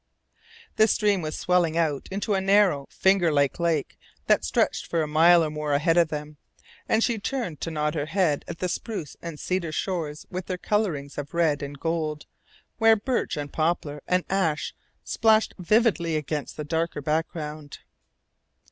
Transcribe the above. The stream was swelling out into a narrow, finger like lake that stretched for a mile or more ahead of them, and she turned to nod her head at the spruce and cedar shores with their colourings of red and gold, where birch, and poplar, and ash splashed vividly against the darker background.